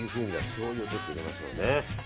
しょうゆをちょっと入れましょう。